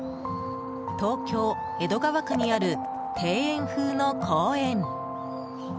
東京・江戸川区にある庭園風の公園。